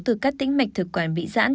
từ các tĩnh mạch thực quản bị giãn